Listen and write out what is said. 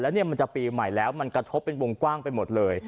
แล้วเนี่ยมันจะปีใหม่แล้วมันกระทบเป็นวงกว้างไปหมดเลย